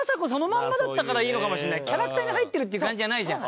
キャラクターに入ってるっていう感じじゃないじゃん。